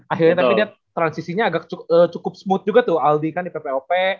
akhirnya tapi dia transisinya agak cukup smooth juga tuh aldi kan di ppop